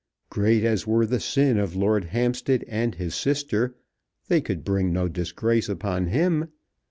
Great as were the sin of Lord Hampstead and his sister, they could bring no disgrace upon him!